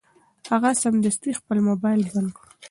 هغه سمدستي خپل مبایل بند کړ.